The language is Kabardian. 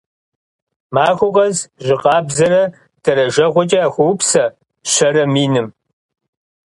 Махуэ къэс жьы къабзэрэ дэрэжэгъуэкӀэ яхуоупсэ щэрэ миным.